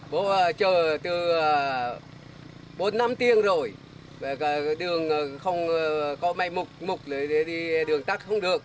bố chờ từ bốn năm tiếng rồi đường không có mây mục mục để đi đường tắt không được